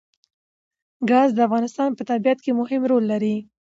ګاز د افغانستان په طبیعت کې مهم رول لري.